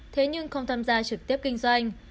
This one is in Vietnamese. thế nhưng không tham gia trực tiếp kinh doanh